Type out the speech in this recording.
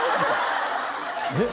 えっ？